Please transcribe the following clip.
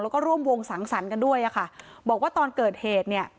แล้วก็ร่วมวงสังสรรค์กันด้วยอะค่ะบอกว่าตอนเกิดเหตุเนี่ย